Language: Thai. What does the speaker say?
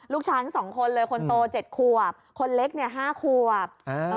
ลูกช้างสองคนเลยคนโต๗ควบคนเล็ก๕ควบ